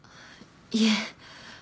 いえ。